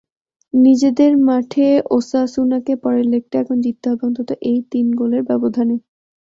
নিজেদের মাঠে ওসাসুনাকে পরের লেগটা এখন জিততে হবে অন্তত তিন গোলের ব্যবধানে।